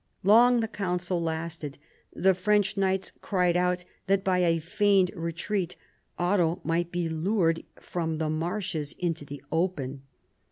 Long the council lasted. The French knights cried out that by a feigned retreat Otto might be lured from the marshes into the open.